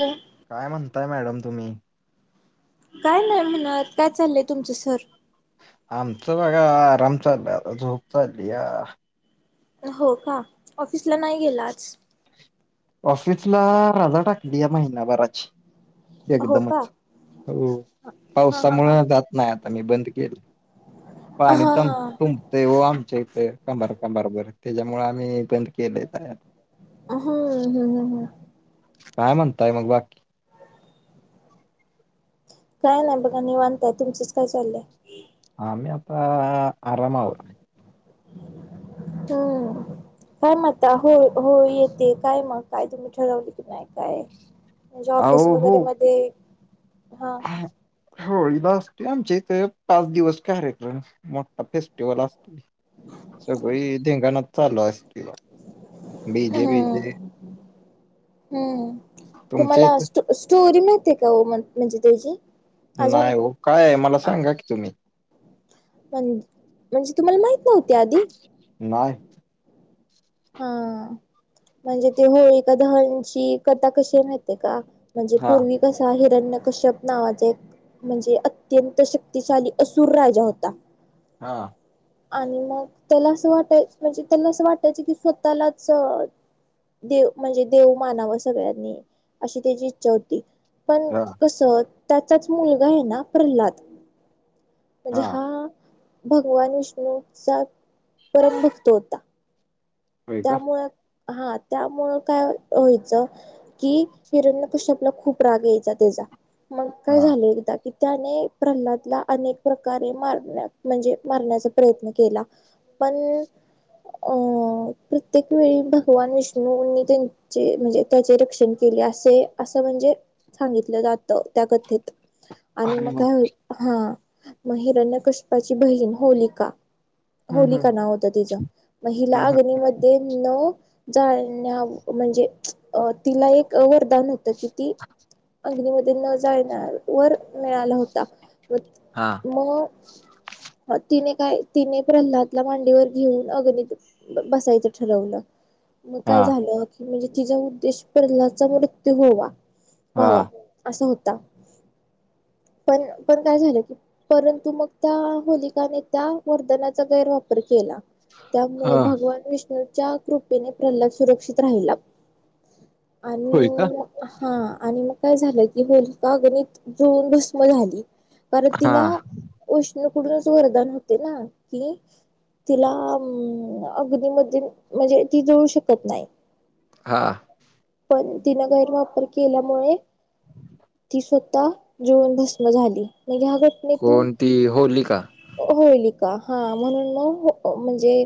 ह काय म्हणताय मॅडम तुम्ही? काय नाही म्हणत काय चाललंय तुमचं सर? आमचं बघा आराम चाललाय आता झोप चाललीया. हो का, ऑफिसला नाही गेला आज. ऑफिस ला राजा टाकली या महिनाभराची. हो का एकदमच, हो, पावसामुळे जात नाही आता मी बंद केलं. पाणी हा तम, तुम तेय व आम च्या ईथ कंबार कंबार बर त्याच्यामुळे आम्ही बंद केलय जाया हम् हम् हम. काय म्हणताय मग बाकी. काय नाही बघा निवानताय तुमच काय चाललंय? आम्ही आत्ता आरामातय. हम. काय म्हता होय होय येते काय मग काय तुम्ही ठरवले की नाही काय? म्हणजे ऑफिस अहो वगैरे मध्ये, हा. होळी ला असतोय आमच्या इथे पाच दिवस कार्यक्रम. मोठा फेस्टिवल असतोय, सगळी धिंगाणाच चालू असती बाघा. डीजे हम्म बीजे. हम्म. तुमच्या तुम्हाला इथं स्टो स्टोरी मिहिते का ओ म्हन म्हणजे त्याची, आजून नाही हो काय आहे मला सांगा की तुम्ही? [unintelligible] म्हणजे तुम्हाला माहित नव्हती आधी. नाय. हा, म्हणजे ते होळी का दहणची कथा कशी माहितेय का? म्हणजे हां, पूर्वी कसा हिरण्य कश्यप नावाचा एक म्हणजे अत्यंत शक्तिशाली असूर राजा होता. हा. आणि मग त्याला असं वाटायच म्हणजे त्याला असं वाटायचं कि स्वतःलाच देव म्हणजे देव मानावं सगळ्यांनी, अशी त्याची इच्छा होती. पण हां, कस त्याचाच मुलगा आहे ना प्रल्हाद. म्हणजे हां. हा, भगवान विष्णूचा, परम भक्त होता. होय का? त्यामुळे, हा त्यामुळं काय व्हायचं कि हिरण्य कश्यपला खूप राग यायचा तेजा, मग काय हां. झालं एकदा कि त्याने प्रल्हादला अनेक प्रकारे मार म्हणजे मारण्याचा प्रयत्न केला. पण, अं प्रत्येक वेळी भगवान विष्णूनी त्यां चे म्हणजे त्याचे रक्षण केले असे असं म्हणजे, सांगितलं जात त्या कथेत. आणि अरे मग वाह! काय हो, हा, म हिरण्यकश्पाची बहीण होलिका. हं, होलिक हं, नाव होतं तिज, म हिला हं, हं. अग्न म [unintelligible] जाळण्याव म्हणजे, तिला एक वरदान हो त किती, अग्नीमध्ये न जाण्यावर मिळाला होता. हा. म. तिने काय तिने प्रल्हादला मांडीवर घेऊन अग्नीत, बसायच ठरवलं, मग काय हां, झालं? म्हणजे तिचा उद्देश प्रल्हाचा मृत्यू होवा, हां, व्हावा. असा होता, पण पण काय झालं की? परंतु मग त्या होलिकाने त्या वरधनाचा गैरवापर केला. त्यामुळे हां. भगवान विष्णु च्या कृपेने प्रल्हाद सुरक्षित राहिला, होय का? आणि हा आणि मग काय झालं की होलिका अगनीत, जुळून भस्म झाली. कारण तिला, हां, विष्णू कडून वरदान होते ना कि, तिला अगदी म्हणजे अगनीमध्ये म्हणजे ती जळू शकत नाही. हां. पण तिनं गैरवापर केल्यामुळे, स्वत जवून भम झाली ह कोणती होलिका? होलिका, हा म्हणून न म्हणजे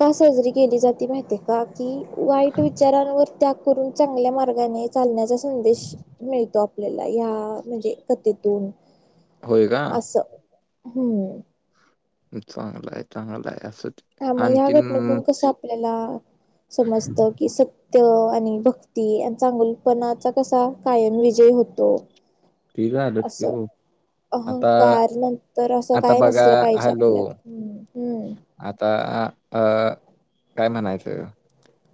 का सजरी केली जाते माहिती का? की वाईट विचारांवर त्याग करून चांगल्या मार्गाने चालण्या संदेश मिळतो आपल्याला या म्हणजे कथेतून. होय का? असं. हम्म. चांगलं आहे, चांगलं आहे, असू दे. हा मग या घटनेतून, कसं आपल्याला समजत कि स ते आणि भक्ती आणि चांगुलपणाचा कसा कायम विजय होतो. असं [unintelligible] आता अहंकार नंतर असं आता काय बघा नसलं पाहिजे हॅलो, आपल्यात. हम्म आता अ काय म्हणायचंय?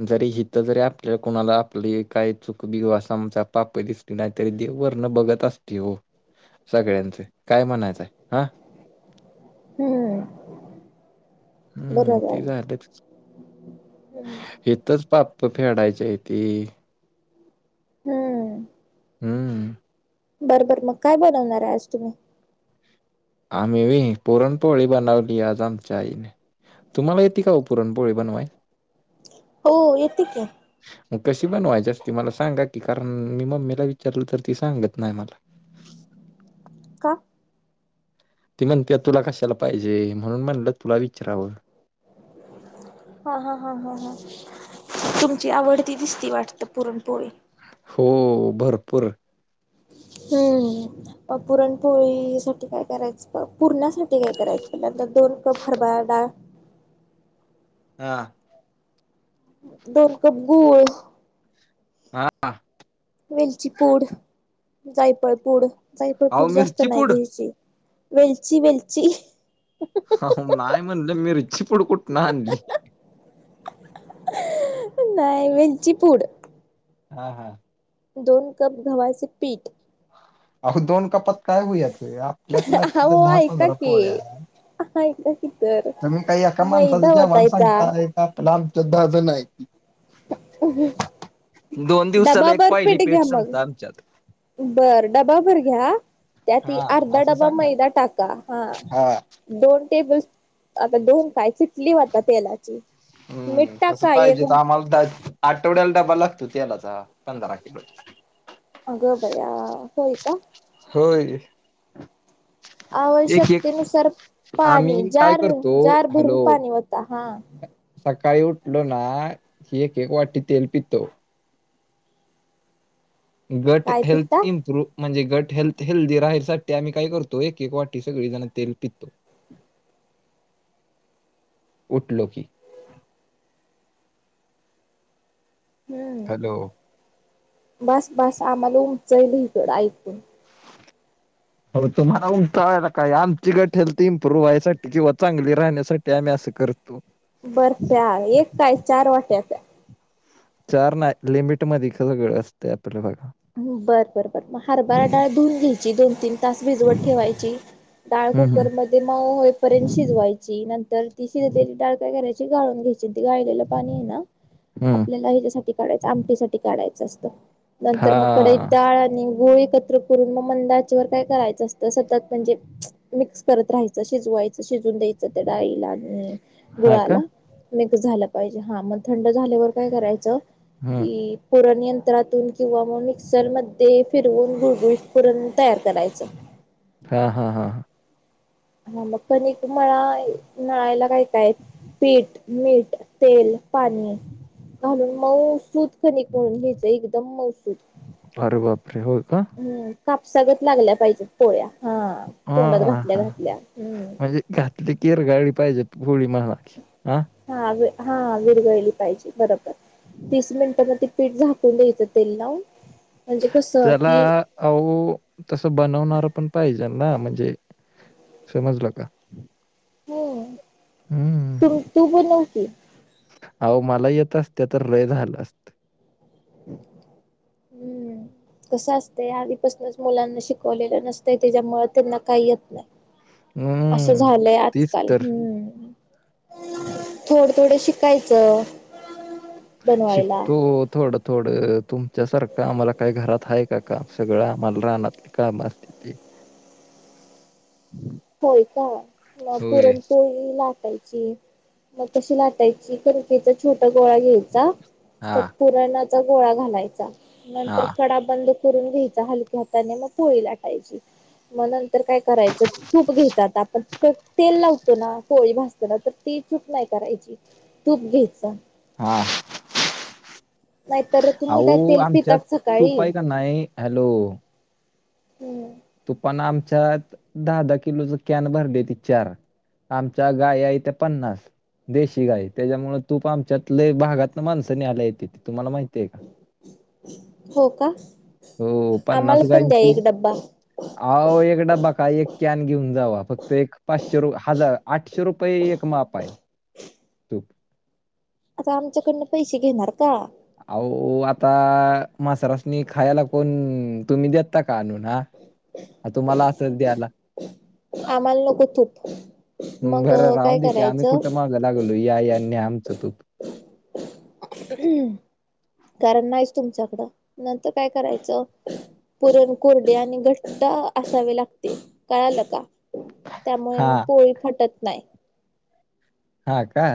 जरी हिथं जरी आपल्याला कोणाला आपली काही चूक बिघू अस पाप दिसत ती नाहीतरी देव वर्ण बघत असते हो. सगळ्यांचे काय म्हणायचंय हा. हम्म. हम्मम् बरोबर ते झालं हम्म हेथच पाप्प फेडायचे आहे. हम्म. हम्म. बरं बर मग. काय बनवणार आहे आज तुम्ही? आम्ही होय, पुरणपोळी बनवलि आज आमच्या आई न. तुम्हाला येती का पुरणपोळी बनवायला? हो येते की. मग कशी बनवाय असती? मला सांगा की कारण मी मम्मीला विचारलं तर ती सांगत नाही मला. का? तेी म्हणते तुला कशाला पाहिजे? म्हणून म्हणलं तुला विचारवं. [inaudible] हा हा हा हा हा. तुमची आवडती दिसती वाटते पुरणपोळी? हो भरपूर. हम्म. पुरणपोळी साठी काय करायचं? पुरण्यासाठी काय करायचं पल्यांत? दोन कप हरभ डाळ. हां. दोन कप गूळ. हा. वेलची पूड, जायफळपूड जायफळ अहो पूड, जास्त मिरची नाही पूड. घेलची. वेलची वेलची. अ नाय म्हणलं मिरची पूड कुठून आणली. [unintelligible] नाही वेलची पूड. हा हा. दोन कप गव्हाचे पीठ. अहो दोन कपात काय व्हायचं? आपल्यात लागतात अहो दहा ऐका पंधरा की पोळ्या. ऐका की तर तुम्ही काय एका माणसाच मैदा जेव्हाण वतायचा सांगताय? इथं आमच्यात दहा जण आहेत. दोन दिवसाला एक डबाभर पाहली पीठ घ्या पेठ मग संपता आमच्यात. बर डबा भर घ्या, त्यात हा अर्धा असं डबा सांगा मैदा टाका. हा. दोन टेबल, आता दोन काय कली होता तेलाची मिठ टाका एक हाऊस दॅट. आठवड्याला ड्बा लागतो तेलाचा पंधरा किलोचा. अगं बया! होय का? होय. एक एक आवश्यकतेनुसार. पाणी आम्ही काय जार करतो जार भरून हॅलो पाणी ओता हा. सकाळी उठलो ना की एक एक वाटी तेल पितो. गट काय हेल्थ पिता इम्प्रूव्ह. म्हणजे घट हेल्थ हेल्दी राहासाठी आम्ही काय करतो एक एक वाटी सगळी जण तेल पितो. [inaudible] उठलो की. हॅलो! बास बास आम्हाला उचाईल इकडं ऐकून. हो तुम्हाला उमट व्हायला काय आमची गट हेल्थ इम्प्रूव्ह व्हायसाठी किंवा चांगली राहण्यासाठी आम्ही असं करतो. बर प्या एक काय चार वाट्या प्या. चार नाय लिमिट मध्ये ख संगळं असते आपल बघा. बरं बरं बरं मग हरभार डाळ धऊन घ्यायची दोन तीन तास भिजवत ठेवायची डाळ हम्म हम्म कुकर मध्ये माऊ होईपर्यंत शिजवायची न तर ती शिजलेली डाळका करायची गाळून घ्यायची त गाळलेलं पाणी आहे ना हम्म आपल्याला ह्याच्यासाठी काढायचं आमटीसाठी काढायचं असतं. तर मग कढई हा डाळ आणि गुळ एकत्र करून मग मंदाच्यावर काय करायचं असतं सतत म्हणजे. मिक्स करत राहायचं शिजवायचं शिजून द्यायचं त्या डाळीला. हा का गुळाला मिक्स झाला पाहिजे हा मग थंड झाल्यावर. काय करायच हम्म की पूरन यंत्रातून किंवा मग मिक्सरमध्ये फिरवून गुळगुळ करून तयार करायचं. हा हा हा हा. हा मग कणिक मळा नळायला काय काय पीठ, मीठ, तेल, पाणी घालून मौसूद खनिक म्हणून घ्यायचं एकदम मसूद. बर बापरे हो का? हम् कापसागत लागल्या पाहिजेत पोळ्या हा हा तोंडात हा घातल्या हा. घातल्या. हम्म! म्हणजे घातली की विरघळली पाहिजे ग पाहिजे गोळी मणा हा हा हा विरगळली पाहिजे बरोबर. तीस मिनिटां म ते पीठ झाकून द्यायचं तेल लावून. म्हणजे कसं त्याला की अहो! तसं बनवणार पण पाहिजे ना म्हणजे समजलं का. हम् तु तू बनव की. आहो! मला येत असते तर लय झालं असत. हम्म! कसं असते आधीपासूनच मुलांना शिकवलेलं नसत त्याच्यामुळे त्यांना काही येत नाही. असं हम्म झालंय तीच आजकाल तर हम्म. थोडं थोडं शिकायचं. बनवायला. शिकतो ओ थोडं थोडं तुमच्यासारखं आम्हाला काही घरात आहे का काम सगळं आम्हाला रानातली काम असते. ते. होय का मग पुरणपोळी लाटायची. मग कशी लाटायची कणकेचा छोटा गोळा घ्यायचा हा त्या पुरणाचा गोळा घालायचा हा नंतर कडा बंद करून घ्याय हलक्या हाताने मग पोळी लाटायची. मग नंतर काय करायचं तूप घ्यायचात आपण तेल लावतो ना कोळी भास चला तर ती चूक नाही करायची तूप घ्यायच. हा नाहीतर तुम्ही अहो काय तेल आमच्यात पितात तूप सकाळी हाय का नाय हॅलो. हम्म तूपाण आमच्यात दहा दहा किलोच कॅन भरली त चार. आमच्या गाया हैत्या पन्नास. देशी गाय त्याच्यामुळ तूप आमच्यात लई भागातन माणसं न्यायला येतीत तुम्हाला माहिती हाय का. हो का हो हो पन्नास गाईची बा. अहो एक डबा काय एक कॅन घेऊन जावा फक्त एक पाचशे रुप हजार आठशे रुपये एक माप आहे तूप. आता आमच्याकडन पैसे घेणार का. अहो आता मसराशनी खायला कोण तुम्ही दे ता का आनून हा तुम्हाला असंच द्याला. आम्हाला नको तूप मग बरं काय राहून दे की आम्ही करायचं. कुठं मागं लागलो या या आणि न्हा आमच तूप. हम् कारण नाहीच तुमच्याकडं नंतर काय करायचं. पुरण कोरडे आणि घट्ट असावे लागते कळाल का. त्यामुळे हा मग पोळी फटत नाय. हा का.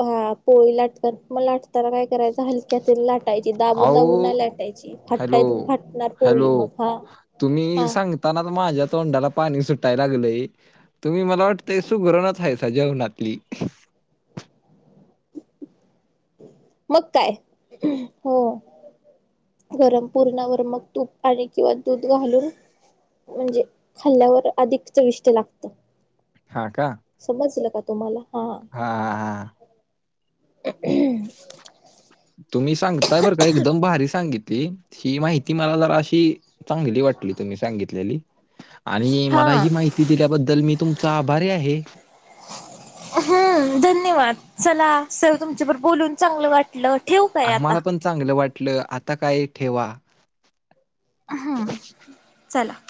हा पोळी लाट म लाटताना काय करायच हलक्या हातानी लाट फटायची दाबून दाबून अहो नाही लाटायची हॅलो फटाय फाटणार पोळी मग हा हा. ताना माझ्या तोंडाला पाणी सुटाय लागलंय. तुम्ही मला वाटतंय सुगरणच हायसा जेवणातली. मग काय हो. गरम पूरणावर मग तूप आणि किंवा दूध घालून म्हणजे खाल्ल्यावर अधिक चविष्ट लागतय. हा का. समजलं का तुम्हाला हा. हां हां हा हा. [unintelligible] तुम्ही सांगताय बरं का एकदम भारी सांगित ही माहिती मला जरा अशी चांगली वाटली तुम्ही सांगितलेली आणि मला हा ही माहिती दिल्याबद्दल मी तुमचा आभारी आहे. हम्म धन्यवाद चला सर तुमच्याबर बोलून चांगलं वाट ल ठिवू. आम्हाला पण चांगलं वाटलं आता काय ठेवा. आहा चला.